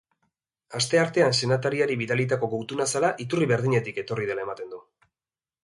Asteartean senatariari bidalitako gutun-azala iturri berdinetik etorri dela ematen du.